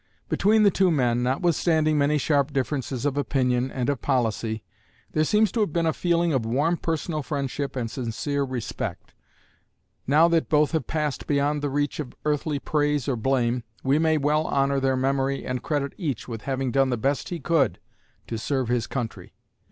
Between the two men, notwithstanding many sharp differences of opinion and of policy, there seems to have been a feeling of warm personal friendship and sincere respect. Now that both have passed beyond the reach of earthly praise or blame, we may well honor their memory and credit each with having done the best he could to serve his country.